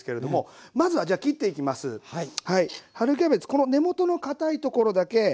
この根元のかたいところだけ落とします。